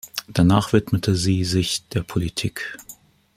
Danach widmete sie sich der Politik.